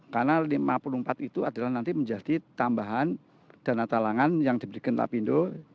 karena lima puluh empat itu adalah nanti menjadi tambahan dana talangan yang diberikan lapindo